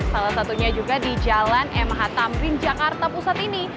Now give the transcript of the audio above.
salah satunya juga di jalan mh tamrin jakarta pusat ini